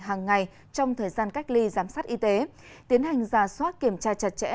hàng ngày trong thời gian cách ly giám sát y tế tiến hành giả soát kiểm tra chặt chẽ